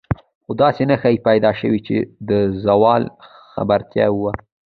خو داسې نښې پیدا شوې چې د زوال خبرتیا وه.